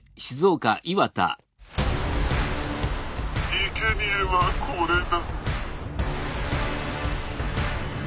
「いけにえはこれだ」。